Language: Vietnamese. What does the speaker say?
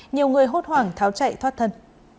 nhiều người hốt hoảng tháo chạy thoát thân